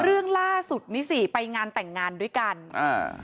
เรื่องล่าสุดนี่สิไปงานแต่งงานด้วยกันอ่า